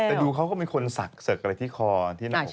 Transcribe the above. แต่ดูเขาก็มีคนสักเสร็จอะไรที่คอที่หน้า